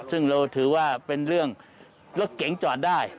ซึ่งเราถือว่าเป็นเรื่องรถเก๋งจอดได้